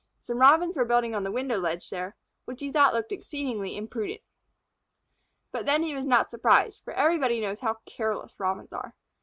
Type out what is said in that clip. Some Robins were building on a window ledge there, which he thought exceeding imprudent. But then he was not surprised, for everybody knows how careless Robins are.